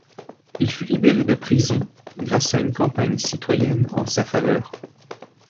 Il fut libéré de prison grâce à une campagne citoyenne en sa faveur.